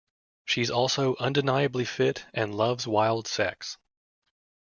She's also undeniably fit and loves wild sex.